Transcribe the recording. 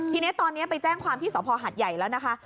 ทีนี้ตอนนี้ไปแจ้งความที่สภหัดใหญ่แล้วนะคะ